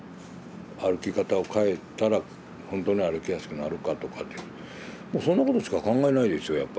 歩き方を変えたらほんとに歩きやすくなるかとかってもうそんなことしか考えないですよ